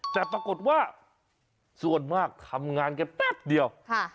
แต่ปรากฏว่าส่วนมากทำงานกันแป๊บเดียว